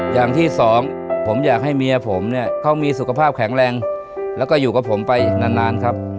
อย่างที่สองผมอยากให้เมียผมเนี่ยเขามีสุขภาพแข็งแรงแล้วก็อยู่กับผมไปนานนานครับ